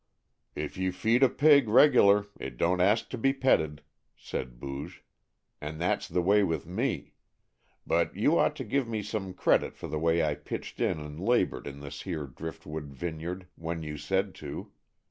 "If you feed a pig regular it don't ask to be petted," said Booge, "and that's the way with me, but you ought to give me some credit for the way I pitched in and labored in this here driftwood vineyard when you said to.